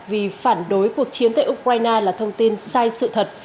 vì phản đối cuộc chiến tại ukraine là thông tin sai sự thật